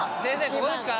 ここですか？